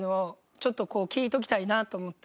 ちょっとこう聞いときたいなと思って。